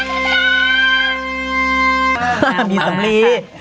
บ้ามีสำลี